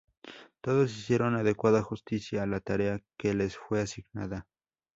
Todos hicieron adecuada justicia a la tarea que les fue asignada.